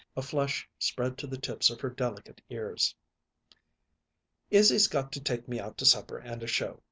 A flush spread to the tips of her delicate ears. "Izzy's got to take me out to supper and a show.